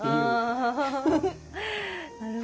あなるほど。